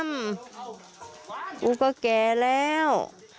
กูก็แก่แล้ว